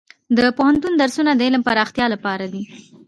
د پوهنتون درسونه د علم پراختیا لپاره دي.